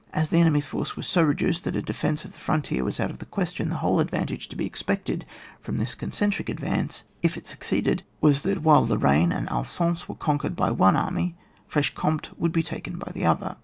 As the enemy's force was so reduced that a defence of the frontier was out of the question, the whole advantage to be expected from this concentric advance, if it succeeded, was that while Lorraine and Alsace were conquered by one army, Franche Comte would be taken by the other.